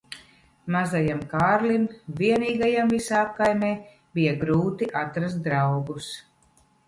Mazajam Kārlim vienīgajam visā apkaimē bija grūti atrast draugus.